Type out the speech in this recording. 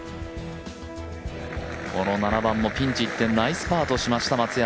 この７番もピンチ一転、ナイスパーとしました、松山。